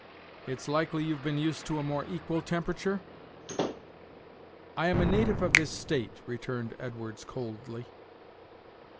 It's likely you've been used to a more equal temperature?" "I am a native of this State," returned Edwards, coldly.